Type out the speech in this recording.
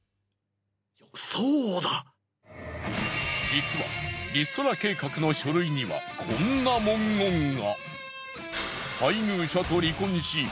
実はリストラ計画の書類にはこんな文言が。